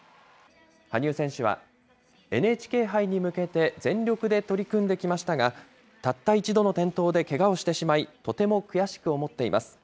羽生選手は、ＮＨＫ杯に向けて全力で取り組んできましたが、たった一度の転倒でけがをしてしまい、とても悔しく思っています。